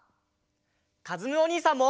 かずむおにいさんも！